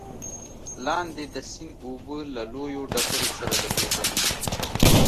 لاندې د سيند اوبه له لويو ډبرو سره لګېدلې،